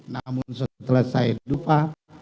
namun setelah saya dupa